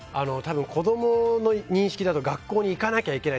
子供の認識だと学校に行かなきゃいけない